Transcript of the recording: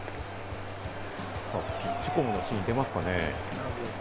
さぁピッチコムのシーン出ますかね？